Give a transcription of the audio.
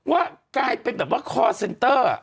ว่ากลายเป็นแบบว่าคอร์เซนเตอร์